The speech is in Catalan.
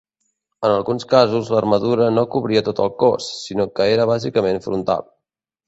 En alguns casos l'armadura no cobria tot el cos, sinó que era bàsicament frontal.